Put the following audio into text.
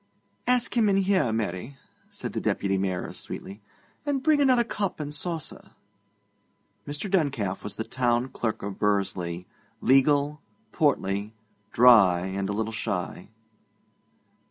'Ask him in here, Mary,' said the Deputy Mayoress sweetly; 'and bring another cup and saucer.' Mr. Duncalf was the Town Clerk of Bursley: legal, portly, dry, and a little shy.